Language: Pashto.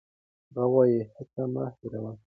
هغه وايي، هڅه مه هېروئ.